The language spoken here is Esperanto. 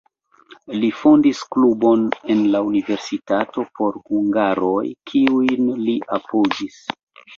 Li fondis klubon en la universitato por hungaroj, kiujn li apogis.